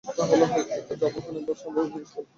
Jafferkhanpet bus number জিজ্ঞেস কর।